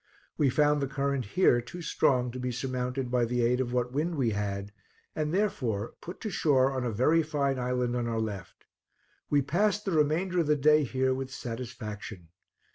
We found the current here too strong to be surmounted by the aid of what wind we had, and therefore put to shore on a very fine island on our left. We passed the remainder of the day here with satisfaction.